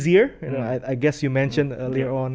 saya rasa anda sudah mengatakan sebelumnya